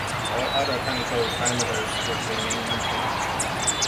All other technical parameters would remain unchanged.